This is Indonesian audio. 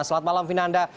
selamat malam vinanda